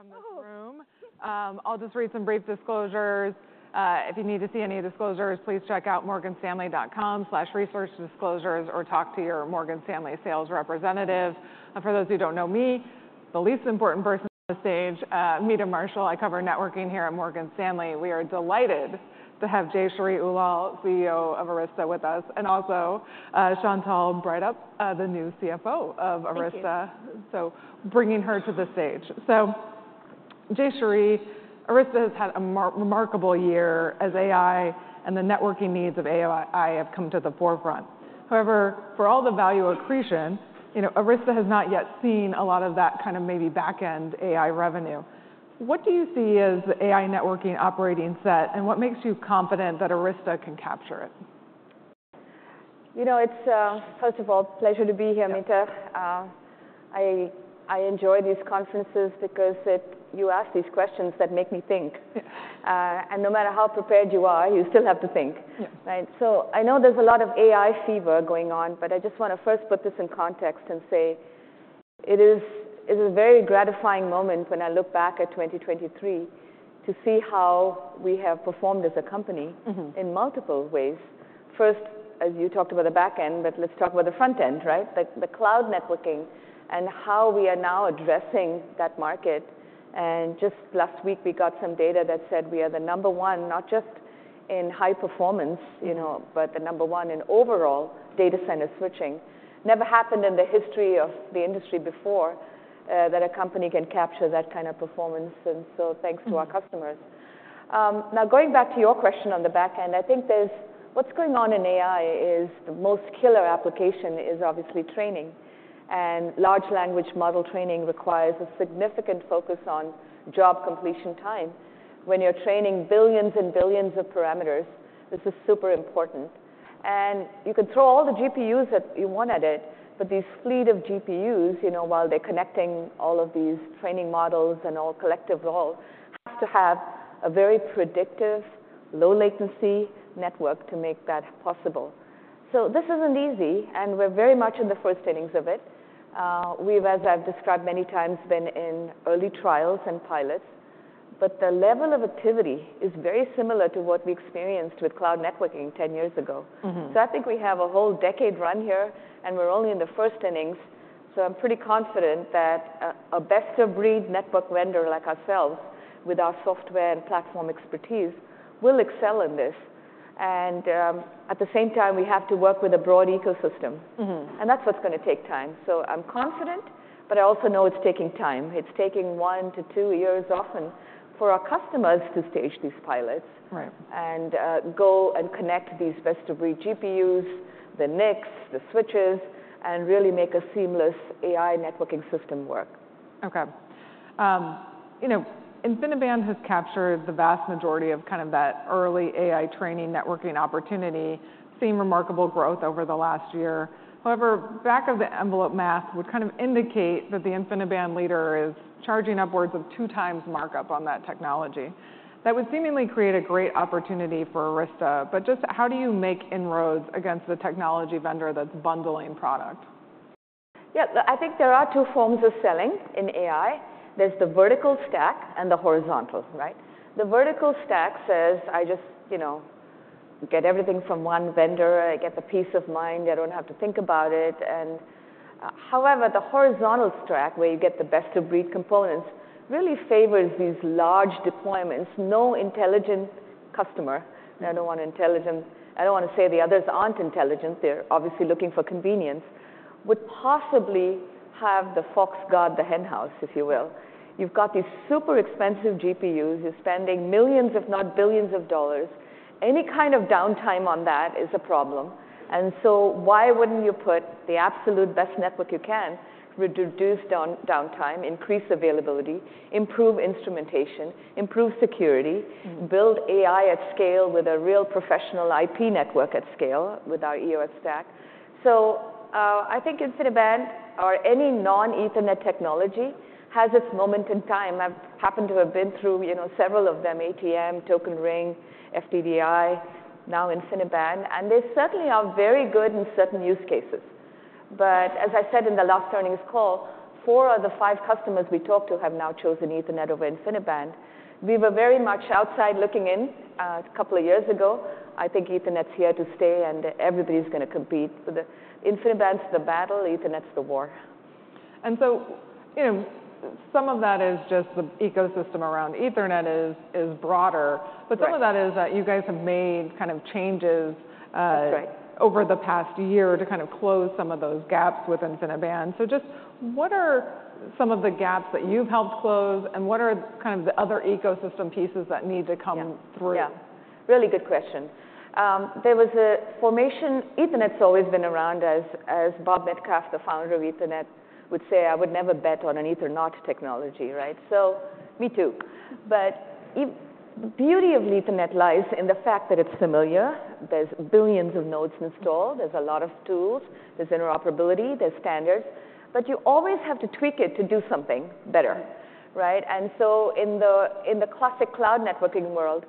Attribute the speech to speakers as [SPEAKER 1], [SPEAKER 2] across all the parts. [SPEAKER 1] From this room. I'll just read some brief disclosures. If you need to see any disclosures, please check out morganstanley.com/resource-disclosures or talk to your Morgan Stanley sales representative. And for those who don't know me, the least important person on the stage, Meta Marshall. I cover networking here at Morgan Stanley. We are delighted to have Jayshree Ullal, CEO of Arista, with us, and also Chantelle Breithaupt, the new CFO of Arista. So bringing her to the stage. So Jayshree, Arista has had a remarkable year as AI and the networking needs of AI have come to the forefront. However, for all the value accretion, Arista has not yet seen a lot of that kind of maybe back-end AI revenue. What do you see as the AI networking operating set, and what makes you confident that Arista can capture it?
[SPEAKER 2] You know, it's, first of all, a pleasure to be here, Meta. I enjoy these conferences because you ask these questions that make me think. And no matter how prepared you are, you still have to think, right? So I know there's a lot of AI fever going on, but I just want to first put this in context and say it is a very gratifying moment when I look back at 2023 to see how we have performed as a company in multiple ways. First, as you talked about the back end, but let's talk about the front end, right? The cloud networking and how we are now addressing that market. And just last week, we got some data that said we are the number one, not just in high performance, but the number one in overall data center switching. Never happened in the history of the industry before that a company can capture that kind of performance. So thanks to our customers. Now, going back to your question on the back end, I think what's going on in AI is the most killer application is obviously training. And Large Language Model training requires a significant focus on job completion time. When you're training billions and billions of parameters, this is super important. And you can throw all the GPUs that you want at it, but this fleet of GPUs, while they're connecting all of these training models and all collective role, has to have a very predictive, low-latency network to make that possible. So this isn't easy, and we're very much in the first innings of it. We've, as I've described many times, been in early trials and pilots, but the level of activity is very similar to what we experienced with cloud networking 10 years ago. So I think we have a whole decade run here, and we're only in the first innings. So I'm pretty confident that a best-of-breed network vendor like ourselves, with our software and platform expertise, will excel in this. And at the same time, we have to work with a broad ecosystem. And that's what's going to take time. So I'm confident, but I also know it's taking time. It's taking one to two years, often, for our customers to stage these pilots and go and connect these best-of-breed GPUs, the NICs, the switches, and really make a seamless AI networking system work.
[SPEAKER 1] OK. InfiniBand has captured the vast majority of kind of that early AI training networking opportunity, seeing remarkable growth over the last year. However, back of the envelope math would kind of indicate that the InfiniBand leader is charging upwards of two times markup on that technology. That would seemingly create a great opportunity for Arista. But just how do you make inroads against the technology vendor that's bundling product?
[SPEAKER 2] Yeah, I think there are two forms of selling in AI. There's the vertical stack and the horizontal, right? The vertical stack says, I just get everything from one vendor. I get the peace of mind. I don't have to think about it. And however, the horizontal stack, where you get the best-of-breed components, really favors these large deployments. No intelligent customer. I don't want to say the others aren't intelligent. They're obviously looking for convenience. Would possibly have the fox guard the henhouse, if you will. You've got these super expensive GPUs. You're spending $millions, if not $billions, of dollars. Any kind of downtime on that is a problem. And so why wouldn't you put the absolute best network you can, reduce downtime, increase availability, improve instrumentation, improve security, build AI at scale with a real professional IP network at scale with our EOS stack? So I think InfiniBand or any non-Ethernet technology has its moment in time. I've happened to have been through several of them: ATM, Token Ring, FDDI, now InfiniBand. And they certainly are very good in certain use cases. But as I said in the last earnings call, four of the five customers we talked to have now chosen Ethernet over InfiniBand. We were very much outside looking in a couple of years ago. I think Ethernet's here to stay, and everybody's going to compete. InfiniBand's the battle. Ethernet's the war.
[SPEAKER 1] So some of that is just the ecosystem around Ethernet is broader. Some of that is that you guys have made kind of changes over the past year to kind of close some of those gaps with InfiniBand. Just what are some of the gaps that you've helped close, and what are kind of the other ecosystem pieces that need to come through?
[SPEAKER 2] Yeah, really good question. There was a formation. Ethernet's always been around, as Bob Metcalfe, the founder of Ethernet, would say, I would never bet on an Ethernet technology, right? So me too. But the beauty of Ethernet lies in the fact that it's familiar. There's billions of nodes installed. There's a lot of tools. There's interoperability. There's standards. But you always have to tweak it to do something better, right? And so in the classic cloud networking world,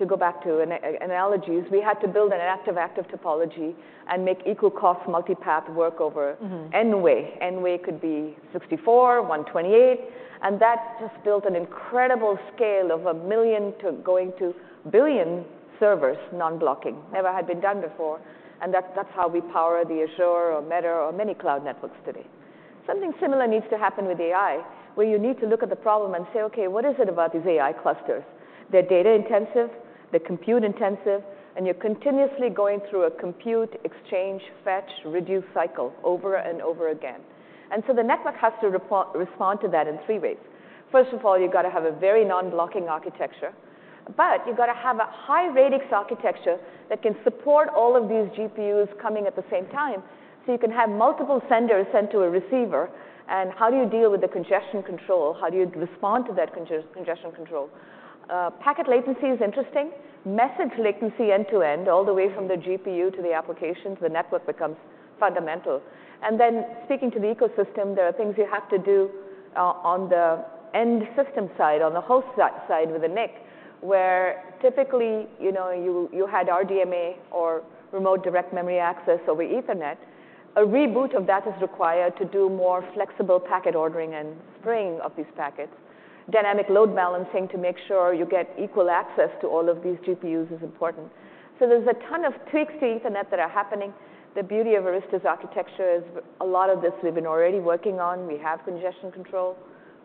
[SPEAKER 2] to go back to analogies, we had to build an active-active topology and make equal-cost multi-path work over N-way. N-way could be 64, 128. And that just built an incredible scale of 1 million going to 1 billion servers non-blocking. Never had been done before. And that's how we power the Azure or Meta or many cloud networks today. Something similar needs to happen with AI, where you need to look at the problem and say, OK, what is it about these AI clusters? They're data-intensive. They're compute-intensive. And you're continuously going through a compute, exchange, fetch, reduce cycle over and over again. And so the network has to respond to that in three ways. First of all, you've got to have a very non-blocking architecture. But you've got to have a high-radix architecture that can support all of these GPUs coming at the same time. So you can have multiple senders sent to a receiver. And how do you deal with the congestion control? How do you respond to that congestion control? Packet latency is interesting. Message latency end-to-end, all the way from the GPU to the applications, the network becomes fundamental. And then speaking to the ecosystem, there are things you have to do on the end-system side, on the host side with a NIC, where typically you had RDMA or remote direct memory access over Ethernet. A reboot of that is required to do more flexible packet ordering and spray of these packets. Dynamic load balancing to make sure you get equal access to all of these GPUs is important. So there's a ton of tweaks to Ethernet that are happening. The beauty of Arista's architecture is a lot of this we've been already working on. We have congestion control.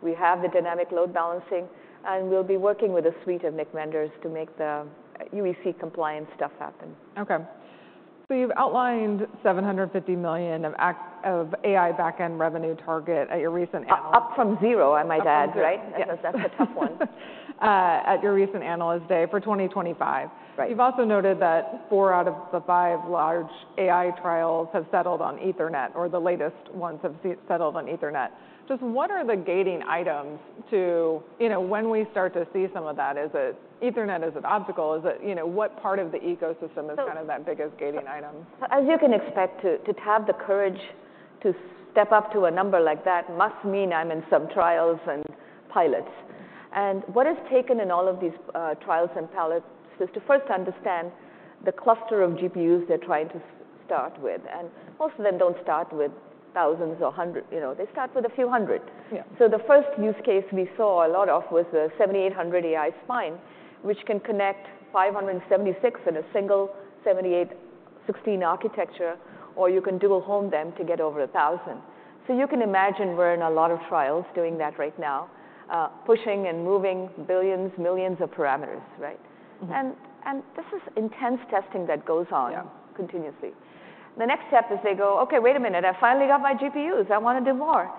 [SPEAKER 2] We have the dynamic load balancing. And we'll be working with a suite of NIC vendors to make the UEC compliance stuff happen.
[SPEAKER 1] OK. So you've outlined $750 million of AI back-end revenue target at your recent annual.
[SPEAKER 2] Up from zero, I might add, right? That's a tough one.
[SPEAKER 1] At your recent Analyst Day for 2025, you've also noted that four out of the five large AI trials have settled on Ethernet, or the latest ones have settled on Ethernet. Just what are the gating items to when we start to see some of that? Is it Ethernet? Is it obstacles? What part of the ecosystem is kind of that biggest gating item?
[SPEAKER 2] As you can expect, to have the courage to step up to a number like that must mean I'm in some trials and pilots. What is taken in all of these trials and pilots is to first understand the cluster of GPUs they're trying to start with. Most of them don't start with thousands or hundreds. They start with a few hundred. So the first use case we saw a lot of was the 7800 AI spine, which can connect 576 in a single 7816 architecture, or you can dual-home them to get over 1,000. So you can imagine we're in a lot of trials doing that right now, pushing and moving billions, millions of parameters, right? And this is intense testing that goes on continuously. The next step is they go, OK, wait a minute. I finally got my GPUs. I want to do more.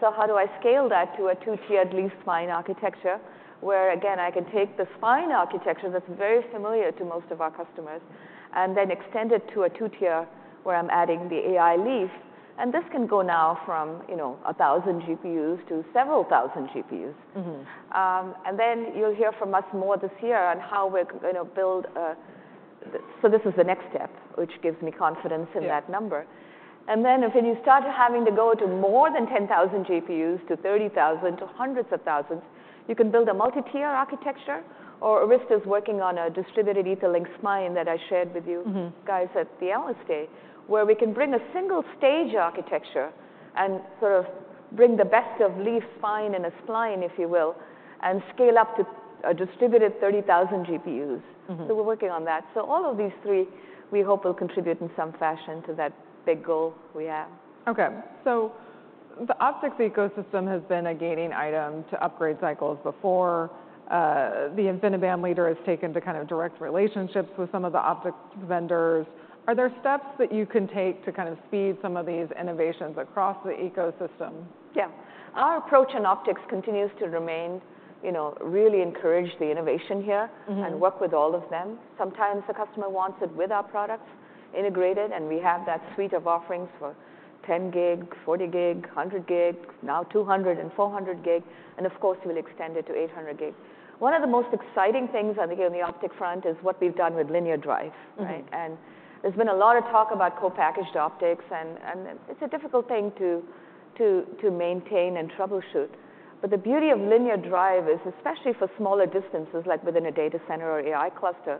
[SPEAKER 2] So how do I scale that to a two-tiered leaf spine architecture, where, again, I can take the spine architecture that's very familiar to most of our customers and then extend it to a two-tier where I'm adding the AI leaf? This can go now from 1,000 GPUs to several thousand GPUs. Then you'll hear from us more this year on how we're going to build a so this is the next step, which gives me confidence in that number. If you start having to go to more than 10,000 GPUs, to 30,000, to hundreds of thousands, you can build a multi-tier architecture. Arista is working on a distributed Ethernet spine that I shared with you guys at the Analyst Day, where we can bring a single-stage architecture and sort of bring the best of leaf spine and a spine, if you will, and scale up to a distributed 30,000 GPUs. So we're working on that. So all of these three, we hope, will contribute in some fashion to that big goal we have.
[SPEAKER 1] OK. So the optics ecosystem has been a gating item to upgrade cycles before. The InfiniBand leader has taken to kind of direct relationships with some of the optics vendors. Are there steps that you can take to kind of speed some of these innovations across the ecosystem?
[SPEAKER 2] Yeah. Our approach in optics continues to remain. Really encourage the innovation here and work with all of them. Sometimes the customer wants it with our products integrated. And we have that suite of offerings for 10 gig, 40 gig, 100 gig, now 200 and 400 gig. And of course, we'll extend it to 800 gig. One of the most exciting things, I think, on the optic front is what we've done with Linear Drive, right? And there's been a lot of talk about co-packaged optics. And it's a difficult thing to maintain and troubleshoot. But the beauty of Linear Drive is, especially for smaller distances, like within a data center or AI cluster,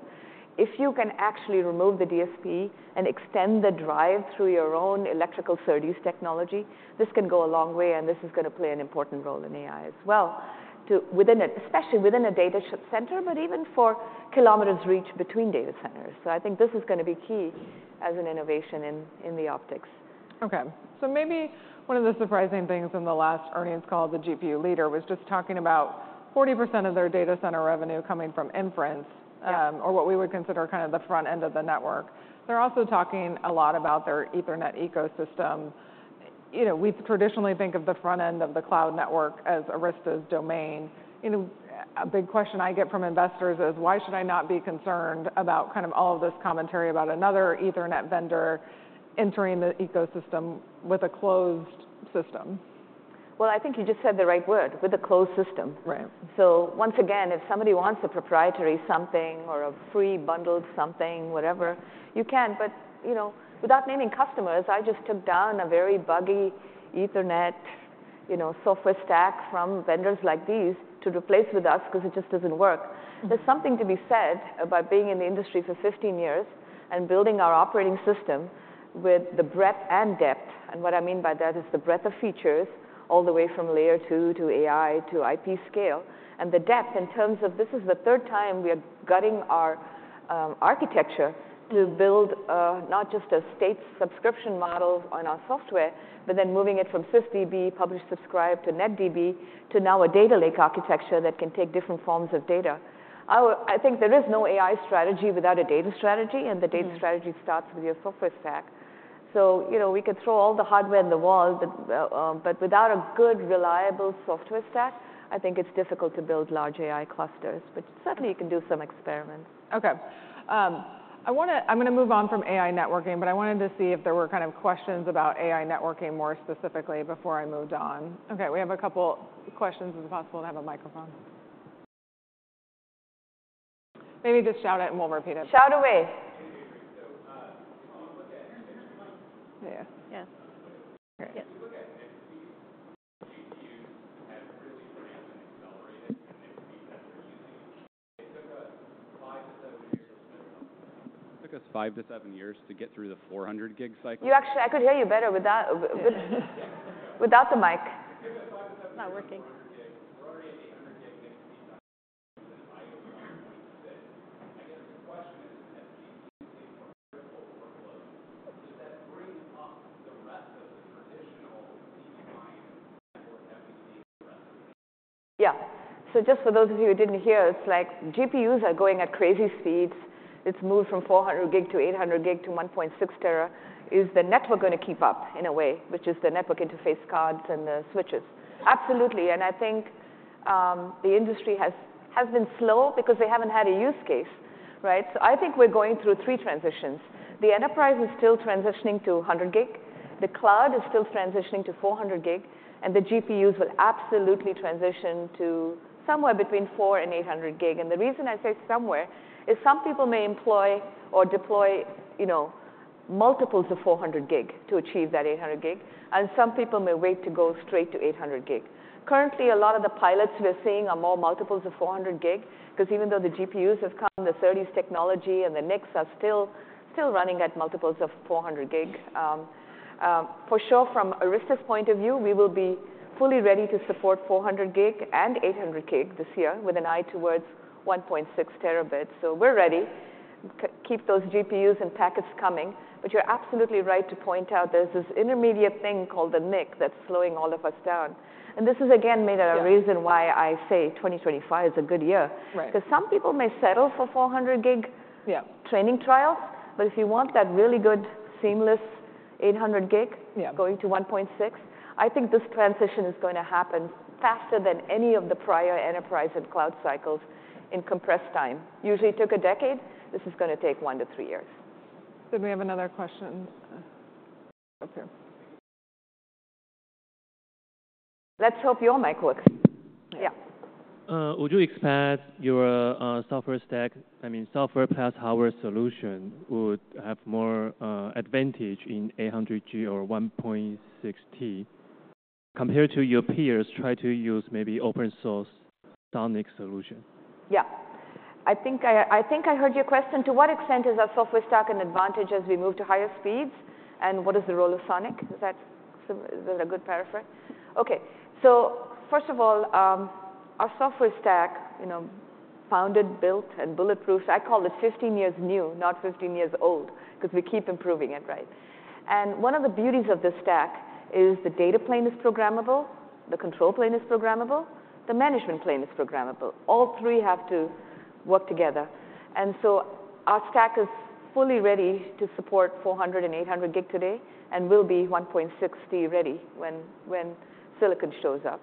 [SPEAKER 2] if you can actually remove the DSP and extend the drive through your own electrical SerDes technology, this can go a long way. This is going to play an important role in AI as well, especially within a data center, but even for kilometers reach between data centers. I think this is going to be key as an innovation in the optics.
[SPEAKER 1] OK. So maybe one of the surprising things in the last earnings call, the GPU leader, was just talking about 40% of their data center revenue coming from inference, or what we would consider kind of the front end of the network. They're also talking a lot about their Ethernet ecosystem. We traditionally think of the front end of the cloud network as Arista's domain. A big question I get from investors is, why should I not be concerned about kind of all of this commentary about another Ethernet vendor entering the ecosystem with a closed system?
[SPEAKER 2] Well, I think you just said the right word, with a closed system. So once again, if somebody wants a proprietary something or a free bundled something, whatever, you can. But without naming customers, I just took down a very buggy Ethernet software stack from vendors like these to replace with us because it just doesn't work. There's something to be said about being in the industry for 15 years and building our operating system with the breadth and depth. And what I mean by that is the breadth of features, all the way from layer two to AI to IP scale, and the depth in terms of this is the third time we are gutting our architecture to build not just a state subscription model on our software, but then moving it from SysDB, publish-subscribe, to NetDB, to now a Data Lake architecture that can take different forms of data. I think there is no AI strategy without a data strategy. And the data strategy starts with your software stack. So we could throw all the hardware at the wall. But without a good, reliable software stack, I think it's difficult to build large AI clusters. But certainly, you can do some experiments.
[SPEAKER 1] OK. I'm going to move on from AI networking. But I wanted to see if there were kind of questions about AI networking more specifically before I moved on. OK, we have a couple questions. Is it possible to have a microphone? Maybe just shout it, and we'll repeat it.
[SPEAKER 2] Shout away.
[SPEAKER 3] Hey, Avery. So if you want to look at your next slide.
[SPEAKER 1] Yeah.
[SPEAKER 3] If you look at NVIDIA's GPUs that have really ramped and accelerated, the NVIDIA's that they're using, it took us five to seven years to build something like this.
[SPEAKER 4] It took us five to seven years to get through the 400 gig cycle.
[SPEAKER 2] I could hear you better without the mic.
[SPEAKER 3] It took us five to seven years to build 400G. We're already at 800G next. And AI is on 2.6. I guess the question is, next use a more critical workload. Does that bring up the rest of the traditional CPU and network heavyweight rest of the network?
[SPEAKER 2] Yeah. So just for those of you who didn't hear, it's like GPUs are going at crazy speeds. It's moved from 400G to 800G to 1.6T. Is the network going to keep up in a way, which is the network interface cards and the switches? Absolutely. And I think the industry has been slow because they haven't had a use case, right? So I think we're going through three transitions. The enterprise is still transitioning to 100G. The cloud is still transitioning to 400G. And the GPUs will absolutely transition to somewhere between 400G and 800G. And the reason I say somewhere is some people may employ or deploy multiples of 400G to achieve that 800G. And some people may wait to go straight to 800G. Currently, a lot of the pilots we're seeing are more multiples of 400 gig because even though the GPUs have come to SerDes technology and the NICs are still running at multiples of 400 gig, for sure, from Arista's point of view, we will be fully ready to support 400 gig and 800 gig this year with an eye towards 1.6 terabits. So we're ready. Keep those GPUs and packets coming. But you're absolutely right to point out there's this intermediate thing called the NIC that's slowing all of us down. And this is, again, maybe a reason why I say 2025 is a good year because some people may settle for 400 gig training trials. But if you want that really good, seamless 800 gig going to 1.6, I think this transition is going to happen faster than any of the prior enterprise and cloud cycles in compressed time. Usually, it took a decade. This is going to take one to three years.
[SPEAKER 1] Did we have another question up here?
[SPEAKER 2] Let's hope your mic works. Yeah.
[SPEAKER 5] Would you expect your software stack, I mean, software plus hardware solution, would have more advantage in 800G or 1.6T compared to your peers trying to use maybe open source S solution?
[SPEAKER 2] Yeah. I think I heard your question. To what extent is our software stack an advantage as we move to higher speeds? And what is the role of Sonic? Is that a good paraphrase? OK. So first of all, our software stack, founded, built, and bulletproofed, I call it 15 years new, not 15 years old because we keep improving it, right? And one of the beauties of this stack is the data plane is programmable, the control plane is programmable, the management plane is programmable. All three have to work together. And so our stack is fully ready to support 400 and 800 gig today and will be 1.6T ready when silicon shows up.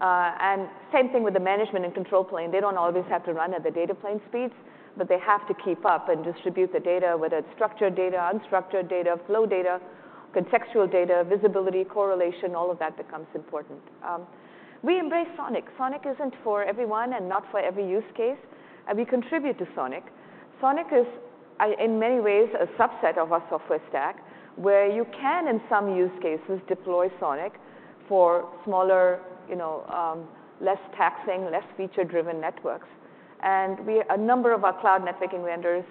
[SPEAKER 2] And same thing with the management and control plane. They don't always have to run at the data plane speeds. But they have to keep up and distribute the data, whether it's structured data, unstructured data, flow data, contextual data, visibility, correlation, all of that becomes important. We embrace Sonic. Sonic isn't for everyone and not for every use case. And we contribute to Sonic. Sonic is, in many ways, a subset of our software stack where you can, in some use cases, deploy Sonic for smaller, less taxing, less feature-driven networks. And a number of our cloud networking vendors,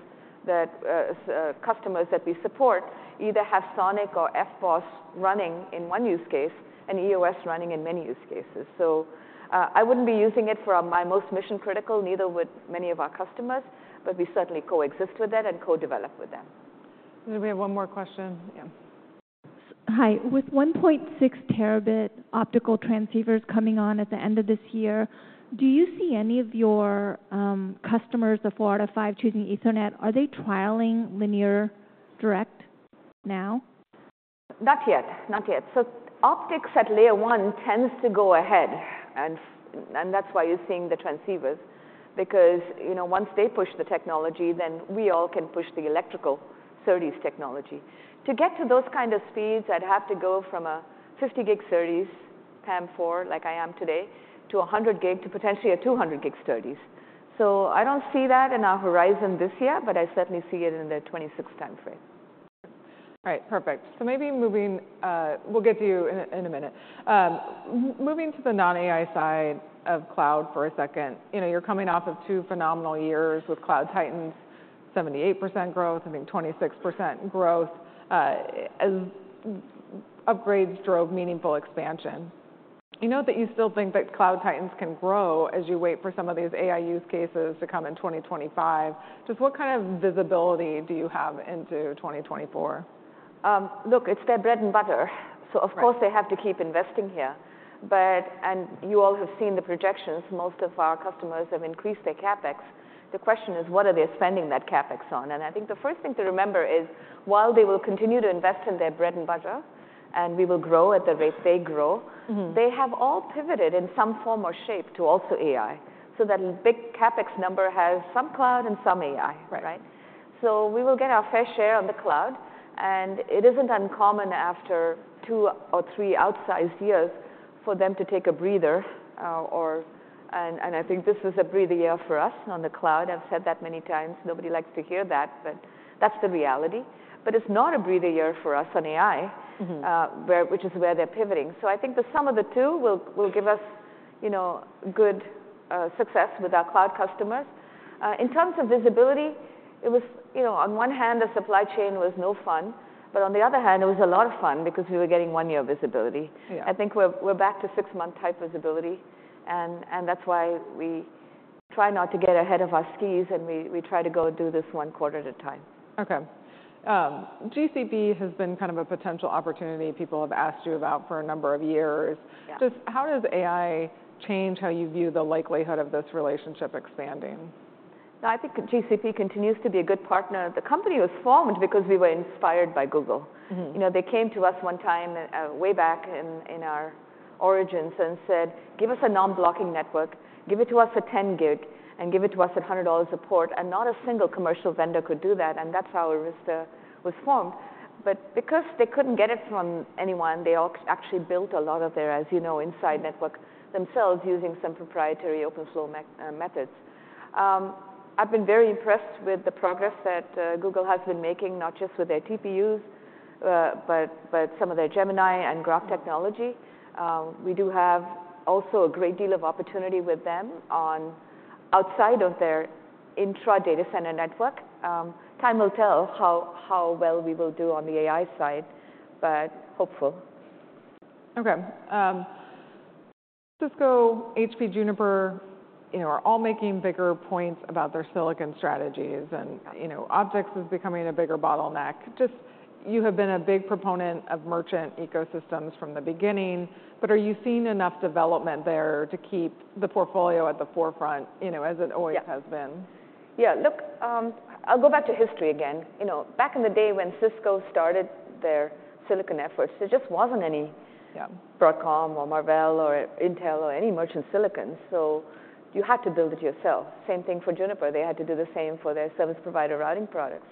[SPEAKER 2] customers that we support, either have Sonic or FBOSS running in one use case and EOS running in many use cases. So I wouldn't be using it for my most mission-critical, neither would many of our customers. But we certainly coexist with that and co-develop with them.
[SPEAKER 1] Did we have one more question? Yeah.
[SPEAKER 6] Hi. With 1.6 terabit optical transceivers coming on at the end of this year, do you see any of your customers, the four out of five choosing Ethernet, are they trialing linear drive now?
[SPEAKER 2] Not yet. Not yet. So optics at layer one tends to go ahead. And that's why you're seeing the transceivers because once they push the technology, then we all can push the electrical SerDes technology. To get to those kind of speeds, I'd have to go from a 50G SerDes PAM4, like I am today, to 100G, to potentially a 200G SerDes. So I don't see that in our horizon this year. But I certainly see it in the 2026 time frame.
[SPEAKER 1] All right. Perfect. So maybe moving we'll get to you in a minute. Moving to the non-AI side of cloud for a second, you're coming off of two phenomenal years with Cloud Titans, 78% growth, I think 26% growth. Upgrades drove meaningful expansion. You note that you still think that Cloud Titans can grow as you wait for some of these AI use cases to come in 2025. Just what kind of visibility do you have into 2024?
[SPEAKER 2] Look, it's their bread and butter. So of course, they have to keep investing here. And you all have seen the projections. Most of our customers have increased their CapEx. The question is, what are they spending that CapEx on? And I think the first thing to remember is, while they will continue to invest in their bread and butter, and we will grow at the rate they grow, they have all pivoted in some form or shape to also AI. So that big CapEx number has some cloud and some AI, right? So we will get our fair share on the cloud. And it isn't uncommon after two or three outsized years for them to take a breather. And I think this is a breather year for us on the cloud. I've said that many times. Nobody likes to hear that. But that's the reality. But it's not a breathy year for us on AI, which is where they're pivoting. So I think the sum of the two will give us good success with our cloud customers. In terms of visibility, on one hand, the supply chain was no fun. But on the other hand, it was a lot of fun because we were getting 1-year visibility. I think we're back to six-month type visibility. And that's why we try not to get ahead of our skis. And we try to go do this one quarter at a time.
[SPEAKER 1] OK. GCP has been kind of a potential opportunity people have asked you about for a number of years. Just how does AI change how you view the likelihood of this relationship expanding?
[SPEAKER 2] Now, I think GCP continues to be a good partner. The company was formed because we were inspired by Google. They came to us one time, way back in our origins, and said, give us a non-blocking network. Give it to us at 10 gig. And give it to us at $100 support. And not a single commercial vendor could do that. And that's how Arista was formed. But because they couldn't get it from anyone, they actually built a lot of their, as you know, inside network themselves using some proprietary open-flow methods. I've been very impressed with the progress that Google has been making, not just with their TPUs, but some of their Gemini and Graph technology. We do have also a great deal of opportunity with them outside of their intra-data center network. Time will tell how well we will do on the AI side. But hopeful.
[SPEAKER 1] OK. Cisco, HP, Juniper are all making bigger points about their silicon strategies. Optics is becoming a bigger bottleneck. You have been a big proponent of merchant ecosystems from the beginning. But are you seeing enough development there to keep the portfolio at the forefront, as it always has been?
[SPEAKER 2] Yeah. Look, I'll go back to history again. Back in the day when Cisco started their silicon efforts, there just wasn't any Broadcom or Marvell or Intel or any merchant silicon. So you had to build it yourself. Same thing for Juniper. They had to do the same for their service provider routing products.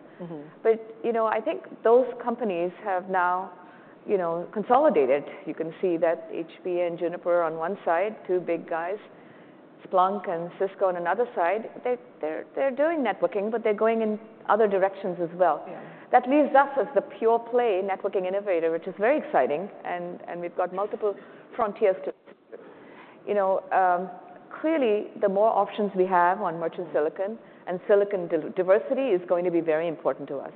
[SPEAKER 2] But I think those companies have now consolidated. You can see that HP and Juniper on one side, two big guys, Splunk and Cisco on another side. They're doing networking. But they're going in other directions as well. That leaves us as the pure-play networking innovator, which is very exciting. And we've got multiple frontiers to explore. Clearly, the more options we have on merchant silicon and silicon diversity is going to be very important to us.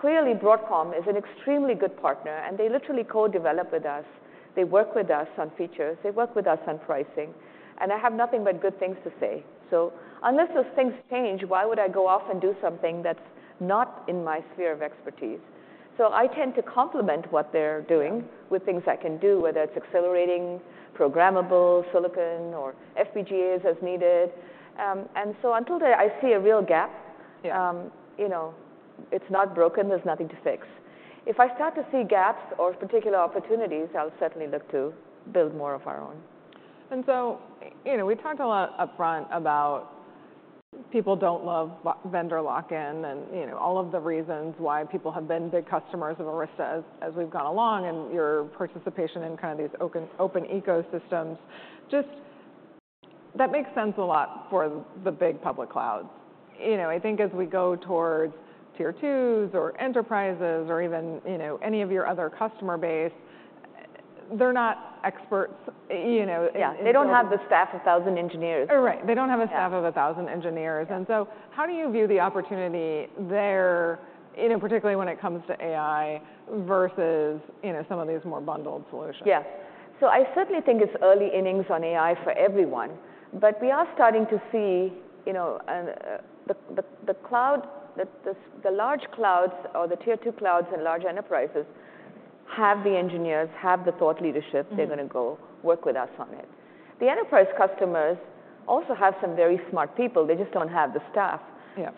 [SPEAKER 2] Clearly, Broadcom is an extremely good partner. And they literally co-develop with us. They work with us on features. They work with us on pricing. And I have nothing but good things to say. So unless those things change, why would I go off and do something that's not in my sphere of expertise? So I tend to complement what they're doing with things I can do, whether it's accelerating programmable silicon or FPGAs as needed. And so until I see a real gap, it's not broken. There's nothing to fix. If I start to see gaps or particular opportunities, I'll certainly look to build more of our own.
[SPEAKER 1] And so we talked a lot upfront about people don't love vendor lock-in and all of the reasons why people have been big customers of Arista as we've gone along and your participation in kind of these open ecosystems. That makes sense a lot for the big public clouds. I think as we go towards tier twos or enterprises or even any of your other customer base, they're not experts.
[SPEAKER 2] Yeah. They don't have the staff of 1,000 engineers.
[SPEAKER 1] Right. They don't have a staff of 1,000 engineers. And so how do you view the opportunity there, particularly when it comes to AI versus some of these more bundled solutions?
[SPEAKER 2] Yeah. So I certainly think it's early innings on AI for everyone. But we are starting to see the large clouds, or the tier two clouds, and large enterprises have the engineers, have the thought leadership. They're going to go work with us on it. The enterprise customers also have some very smart people. They just don't have the staff.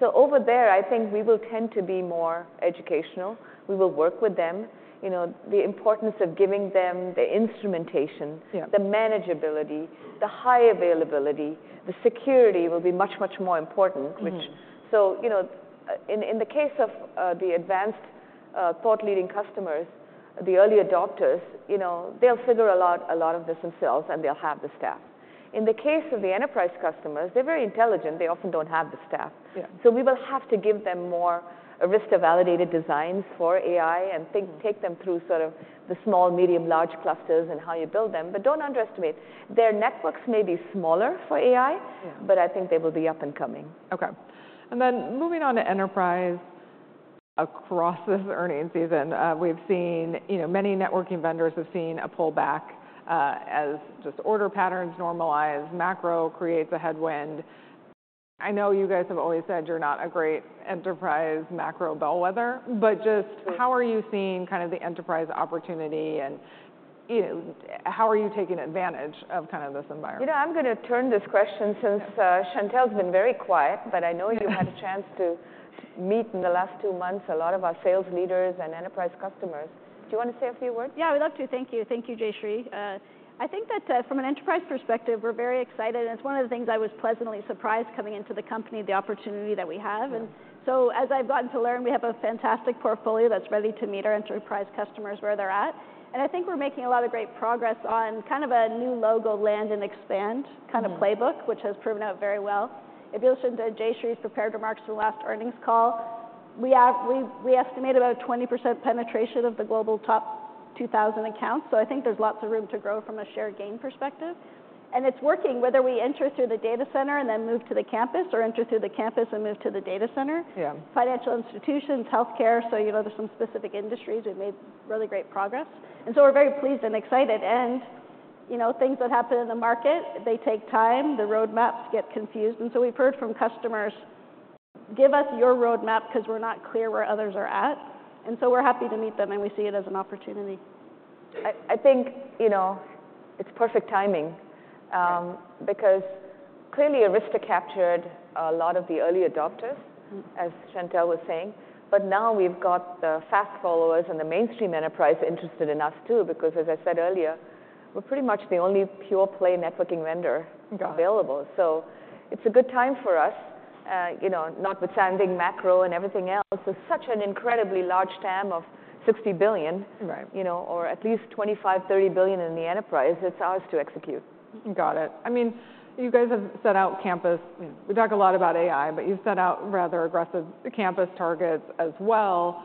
[SPEAKER 2] So over there, I think we will tend to be more educational. We will work with them. The importance of giving them the instrumentation, the manageability, the high availability, the security will be much, much more important. So in the case of the advanced thought-leading customers, the early adopters, they'll figure a lot of this themselves. And they'll have the staff. In the case of the enterprise customers, they're very intelligent. They often don't have the staff. We will have to give them more Arista-validated designs for AI and take them through sort of the small, medium, large clusters and how you build them. But don't underestimate. Their networks may be smaller for AI. But I think they will be up and coming.
[SPEAKER 1] OK. Then moving on to enterprise across this earnings season, we've seen many networking vendors have seen a pullback as just order patterns normalize, macro creates a headwind. I know you guys have always said you're not a great enterprise macro bellwether. But just how are you seeing kind of the enterprise opportunity? And how are you taking advantage of kind of this environment?
[SPEAKER 2] You know, I'm going to turn this question since Chantelle's been very quiet. But I know you had a chance to meet in the last two months a lot of our sales leaders and enterprise customers. Do you want to say a few words?
[SPEAKER 6] Yeah. We'd love to. Thank you. Thank you, Jayshree. I think that from an enterprise perspective, we're very excited. And it's one of the things I was pleasantly surprised coming into the company, the opportunity that we have. And so as I've gotten to learn, we have a fantastic portfolio that's ready to meet our enterprise customers where they're at. And I think we're making a lot of great progress on kind of a new logo, land and expand kind of playbook, which has proven out very well. If you listen to Jayshree's prepared remarks from the last earnings call, we estimate about 20% penetration of the global top 2,000 accounts. So I think there's lots of room to grow from a share gain perspective. It's working, whether we enter through the data center and then move to the campus or enter through the campus and move to the data center: financial institutions, health care. So there's some specific industries. We've made really great progress. And so we're very pleased and excited. And things that happen in the market, they take time. The roadmaps get confused. And so we've heard from customers, "give us your roadmap because we're not clear where others are at." And so we're happy to meet them. And we see it as an opportunity.
[SPEAKER 2] I think it's perfect timing because clearly, Arista captured a lot of the early adopters, as Chantelle was saying. But now we've got the fast followers and the mainstream enterprise interested in us too because, as I said earlier, we're pretty much the only pure-play networking vendor available. So it's a good time for us, notwithstanding macro and everything else. There's such an incredibly large TAM of $60 billion or at least $25-$30 billion in the enterprise. It's ours to execute.
[SPEAKER 1] Got it. I mean, you guys have set out campus we talk a lot about AI. But you've set out rather aggressive campus targets as well.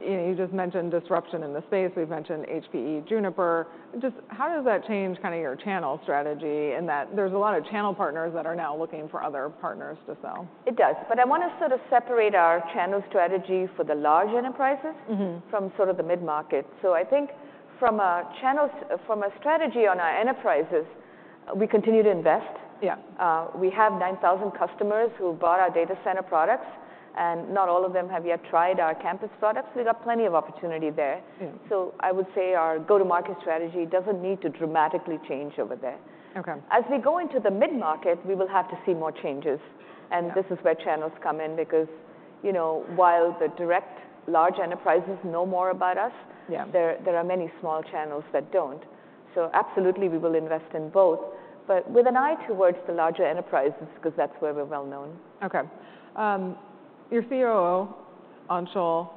[SPEAKER 1] You just mentioned disruption in the space. We've mentioned HPE, Juniper. Just how does that change kind of your channel strategy in that there's a lot of channel partners that are now looking for other partners to sell?
[SPEAKER 2] It does. But I want to sort of separate our channel strategy for the large enterprises from sort of the mid-market. So I think from a strategy on our enterprises, we continue to invest. We have 9,000 customers who bought our data center products. And not all of them have yet tried our campus products. We've got plenty of opportunity there. So I would say our go-to-market strategy doesn't need to dramatically change over there. As we go into the mid-market, we will have to see more changes. And this is where channels come in because while the direct large enterprises know more about us, there are many small channels that don't. So absolutely, we will invest in both. But with an eye towards the larger enterprises because that's where we're well known.
[SPEAKER 1] OK. Your COO, Anshul,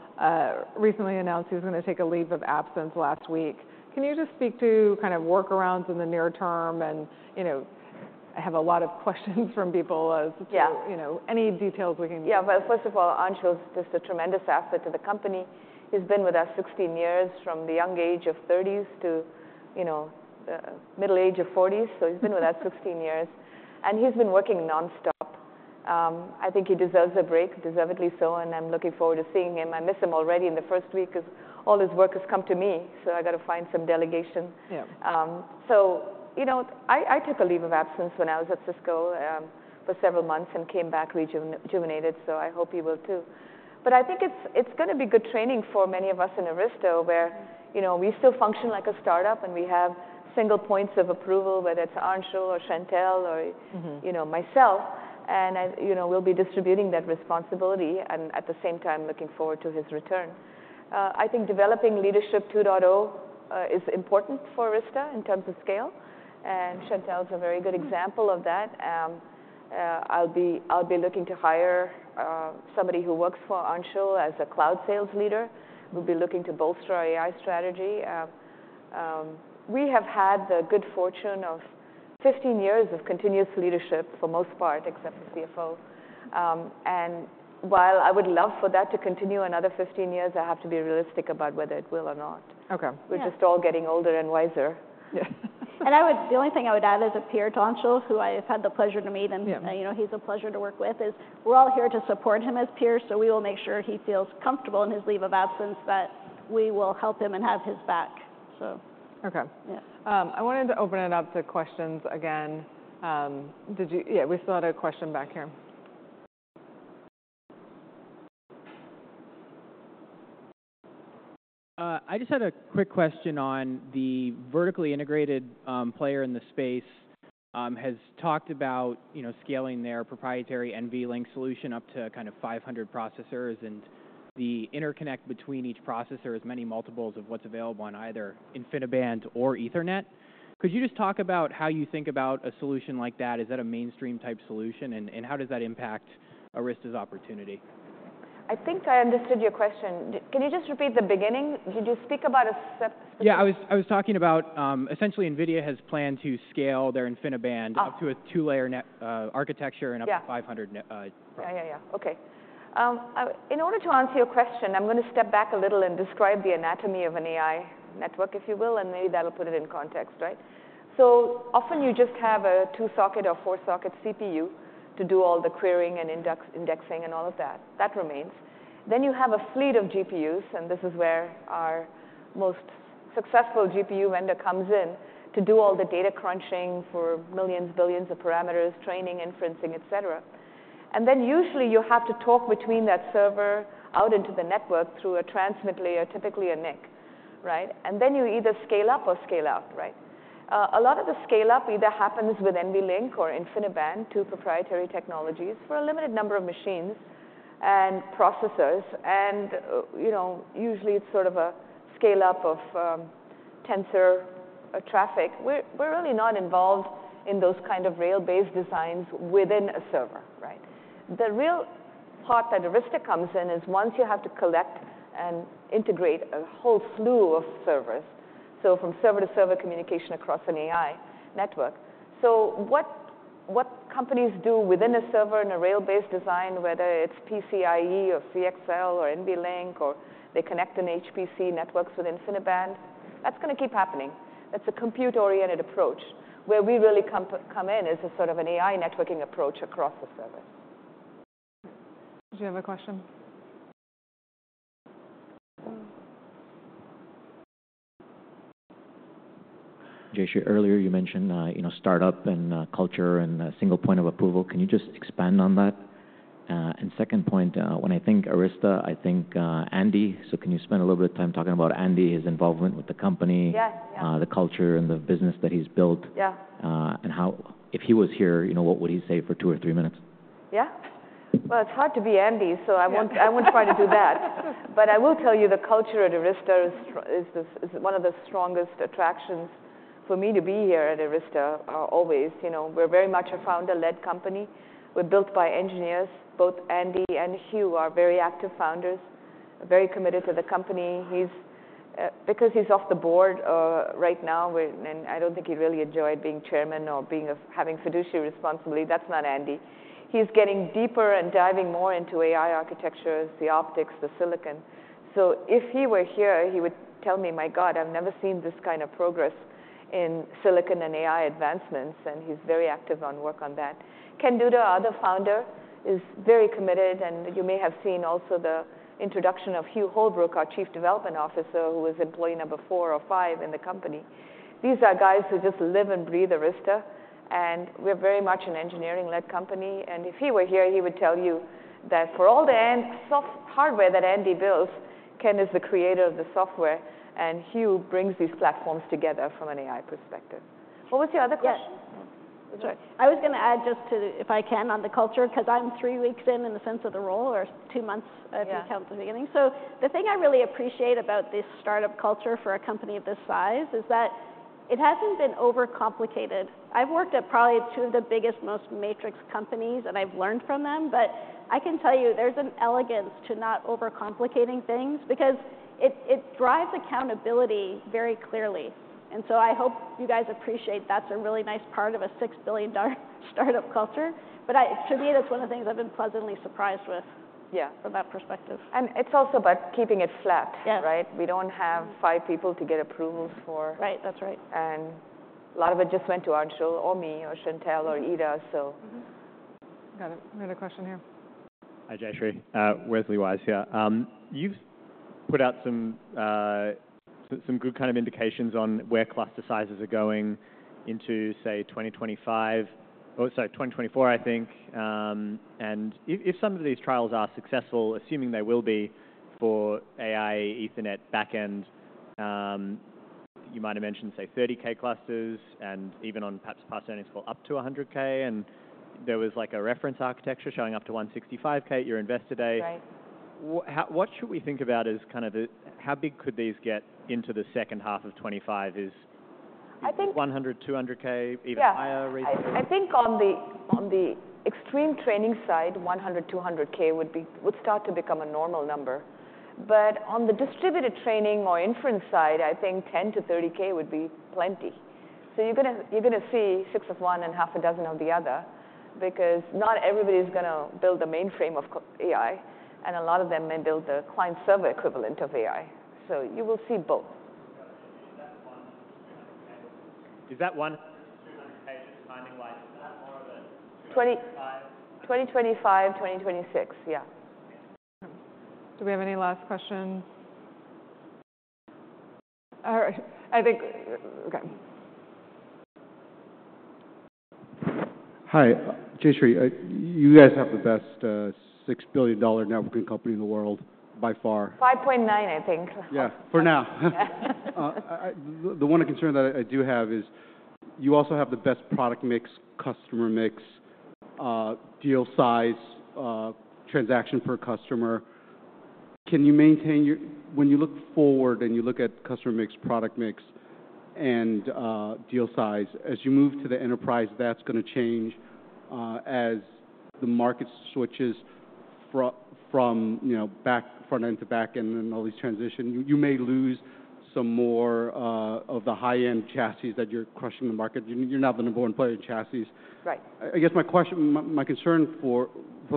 [SPEAKER 1] recently announced he was going to take a leave of absence last week. Can you just speak to kind of workarounds in the near term? I have a lot of questions from people as to any details we can get.
[SPEAKER 2] Yeah. Well, first of all, Anshul's just a tremendous asset to the company. He's been with us 16 years, from the young age of 30s to the middle age of 40s. So he's been with us 16 years. And he's been working nonstop. I think he deserves a break, deservedly so. And I'm looking forward to seeing him. I miss him already in the first week because all his work has come to me. So I've got to find some delegation. So I took a leave of absence when I was at Cisco for several months and came back rejuvenated. So I hope he will too. But I think it's going to be good training for many of us in Arista where we still function like a startup. And we have single points of approval, whether it's Anshul or Chantelle or myself. We'll be distributing that responsibility and at the same time looking forward to his return. I think developing leadership 2.0 is important for Arista in terms of scale. Chantelle's a very good example of that. I'll be looking to hire somebody who works for Anshul as a cloud sales leader. We'll be looking to bolster our AI strategy. We have had the good fortune of 15 years of continuous leadership for most part, except for CFO. While I would love for that to continue another 15 years, I have to be realistic about whether it will or not. We're just all getting older and wiser.
[SPEAKER 6] The only thing I would add is a peer to Anshul, who I've had the pleasure to meet. He's a pleasure to work with. We're all here to support him as peers. We will make sure he feels comfortable in his leave of absence that we will help him and have his back.
[SPEAKER 1] OK. I wanted to open it up to questions again. Yeah, we still had a question back here.
[SPEAKER 3] I just had a quick question on the vertically integrated player in the space has talked about scaling their proprietary NVLink solution up to kind of 500 processors. And the interconnect between each processor is many multiples of what's available on either InfiniBand or Ethernet. Could you just talk about how you think about a solution like that? Is that a mainstream type solution? And how does that impact Arista's opportunity?
[SPEAKER 2] I think I understood your question. Can you just repeat the beginning? Did you speak about a specific?
[SPEAKER 3] Yeah. I was talking about essentially, NVIDIA has planned to scale their InfiniBand up to a two-layer architecture and up to 500 processors.
[SPEAKER 2] Yeah, yeah, yeah. OK. In order to answer your question, I'm going to step back a little and describe the anatomy of an AI network, if you will. And maybe that'll put it in context. So often, you just have a 2-socket or 4-socket CPU to do all the querying and indexing and all of that. That remains. Then you have a fleet of GPUs. And this is where our most successful GPU vendor comes in to do all the data crunching for millions, billions of parameters, training, inferencing, et cetera. And then usually, you have to talk between that server out into the network through a transmit layer, typically a NIC. And then you either scale up or scale out. A lot of the scale up either happens with NVLink or InfiniBand, two proprietary technologies, for a limited number of machines and processors. And usually, it's sort of a scale up of tensor traffic. We're really not involved in those kind of rail-based designs within a server. The real part that Arista comes in is once you have to collect and integrate a whole slew of servers, so from server to server communication across an AI network. So what companies do within a server and a rail-based design, whether it's PCIe or CXL or NVLink or they connect an HPC networks with InfiniBand, that's going to keep happening. That's a compute-oriented approach. Where we really come in is as sort of an AI networking approach across the servers.
[SPEAKER 1] Did you have a question?
[SPEAKER 3] Jayshree, earlier you mentioned startup and culture and single point of approval. Can you just expand on that? And second point, when I think Arista, I think Andy. So can you spend a little bit of time talking about Andy, his involvement with the company, the culture, and the business that he's built? And if he was here, what would he say for two or three minutes?
[SPEAKER 2] Yeah. Well, it's hard to be Andy. So I won't try to do that. But I will tell you, the culture at Arista is one of the strongest attractions for me to be here at Arista, always. We're very much a founder-led company. We're built by engineers. Both Andy and Hugh are very active founders, very committed to the company. Because he's off the board right now, and I don't think he'd really enjoy it being chairman or having fiduciary responsibility, that's not Andy. He's getting deeper and diving more into AI architectures, the optics, the silicon. So if he were here, he would tell me, my god, I've never seen this kind of progress in silicon and AI advancements. And he's very active on work on that. Ken Duda, other founder, is very committed. You may have seen also the introduction of Hugh Holbrook, our Chief Development Officer, who was employee number four or five in the company. These are guys who just live and breathe Arista. We're very much an engineering-led company. If he were here, he would tell you that for all the hardware that Andy builds, Ken is the creator of the software. Hugh brings these platforms together from an AI perspective. What was your other question?
[SPEAKER 6] I was going to add just to, if I can, on the culture because I'm three weeks in the sense of the role or two months if you count the beginning. So the thing I really appreciate about this startup culture for a company of this size is that it hasn't been overcomplicated. I've worked at probably two of the biggest, most matrix companies. And I've learned from them. But I can tell you, there's an elegance to not overcomplicating things because it drives accountability very clearly. And so I hope you guys appreciate that's a really nice part of a $6 billion startup culture. But to me, that's one of the things I've been pleasantly surprised with from that perspective.
[SPEAKER 2] It's also about keeping it flat. We don't have five people to get approvals for. A lot of it just went to Anshul or me or Chantelle or Ita.
[SPEAKER 1] Got it. We had a question here.
[SPEAKER 3] Hi, Jayshree. Meta Marshall here. You've put out some good kind of indications on where cluster sizes are going into, say, 2024, I think. If some of these trials are successful, assuming they will be for AI Ethernet backend, you might have mentioned, say, 30K clusters and even on perhaps past earnings called up to 100K. There was like a reference architecture showing up to 165K at your investor day. What should we think about as kind of how big could these get into the second half of 2025? Is 100, 200K, even higher reasonably?
[SPEAKER 2] I think on the extreme training side, 100K, 200K would start to become a normal number. But on the distributed training or inference side, I think 10K-30K would be plenty. So you're going to see six of one and half a dozen of the other because not everybody is going to build the mainframe of AI. And a lot of them may build the client-server equivalent of AI. So you will see both.
[SPEAKER 3] Is that 1 to 200K? Is that 1 to 200K just timing like? Is that more of a 2025?
[SPEAKER 2] 2025, 2026. Yeah.
[SPEAKER 1] Do we have any last questions? All right. OK.
[SPEAKER 4] Hi, Jayshree. You guys have the best $6 billion networking company in the world by far.
[SPEAKER 2] 5.9, I think.
[SPEAKER 4] Yeah, for now. The one concern that I do have is you also have the best product mix, customer mix, deal size, transaction per customer. When you look forward and you look at customer mix, product mix, and deal size, as you move to the enterprise, that's going to change. As the market switches from front end to back end and all these transitions, you may lose some more of the high-end chassis that you're crushing the market. You're not the number one player in chassis. I guess my concern for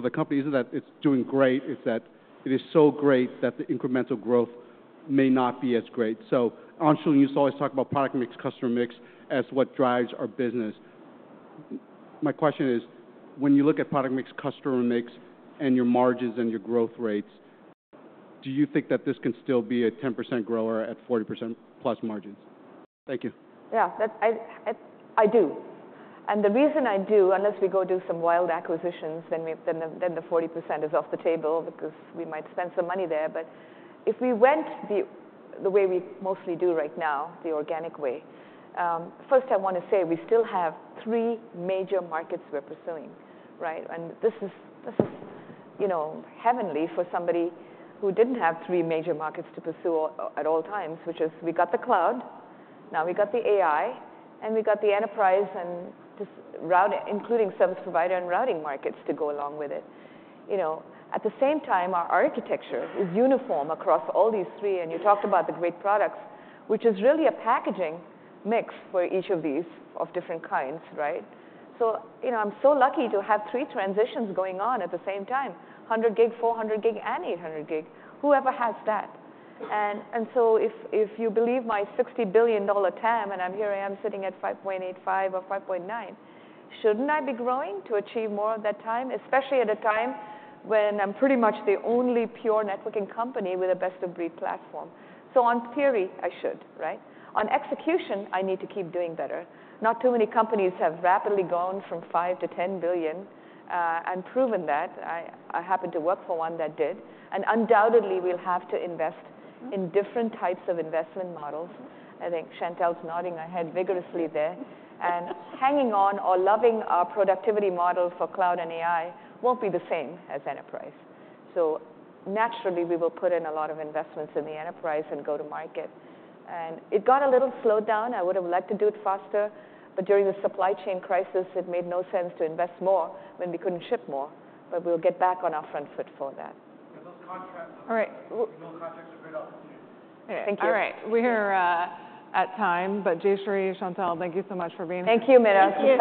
[SPEAKER 4] the company isn't that it's doing great. It's that it is so great that the incremental growth may not be as great. So Anshul, you always talk about product mix, customer mix as what drives our business. My question is, when you look at product mix, customer mix, and your margins and your growth rates, do you think that this can still be a 10% grower at 40%+ margins? Thank you.
[SPEAKER 2] Yeah. I do. The reason I do, unless we go do some wild acquisitions, then the 40% is off the table because we might spend some money there. But if we went the way we mostly do right now, the organic way, first, I want to say we still have three major markets we're pursuing. This is heavenly for somebody who didn't have three major markets to pursue at all times, which is we got the cloud. Now we got the AI. And we got the enterprise and just including service provider and routing markets to go along with it. At the same time, our architecture is uniform across all these three. And you talked about the great products, which is really a packaging mix for each of these of different kinds. So I'm so lucky to have three transitions going on at the same time, 100G, 400G, and 800G. Whoever has that. And so if you believe my $60 billion TAM, and I'm here I am sitting at $5.85 or $5.9, shouldn't I be growing to achieve more of that TAM, especially at a time when I'm pretty much the only pure networking company with a best-of-breed platform? So on theory, I should. On execution, I need to keep doing better. Not too many companies have rapidly gone from $5 billion to $10 billion and proven that. I happen to work for one that did. And undoubtedly, we'll have to invest in different types of investment models. I think Chantelle's nodding her head vigorously there. And hanging on or loving our productivity model for cloud and AI won't be the same as enterprise. Naturally, we will put in a lot of investments in the enterprise and go to market. It got a little slowed down. I would have liked to do it faster. During the supply chain crisis, it made no sense to invest more when we couldn't ship more. We'll get back on our front foot for that.
[SPEAKER 3] All right. We know contracts are great opportunities.
[SPEAKER 2] Thank you.
[SPEAKER 1] All right. We're at time. But Jayshree, Chantelle, thank you so much for being here.
[SPEAKER 2] Thank you, Meta.